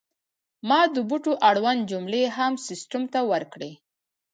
ما د بوټو اړوند جملې هم سیستم ته ورکړې.